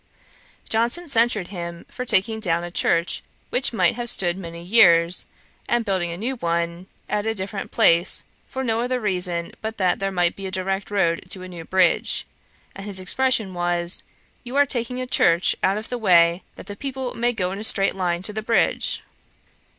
Johnson censured him for taking down a church which might have stood many years, and building a new one at a different place, for no other reason but that there might be a direct road to a new bridge; and his expression was, 'You are taking a church out of the way, that the people may go in a straight line to the bridge.'